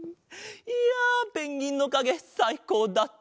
いやペンギンのかげさいこうだった！